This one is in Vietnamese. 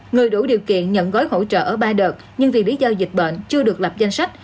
người đủ điều kiện nhận gói hỗ trợ ở ba đợt nhưng vì lý do dịch bệnh chưa được lập danh sách